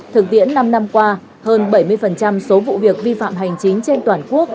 thực tiễn năm năm qua hơn bảy mươi số vụ việc vi phạm hành chính trên toàn quốc